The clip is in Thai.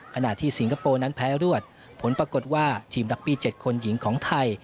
ขณะที่สิงคโปร์นั้นแพ้รวดผลปรากฏว่าทีมรักบี้๗คนหญิงของไทย